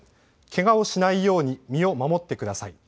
けがをしないように身を守ってください。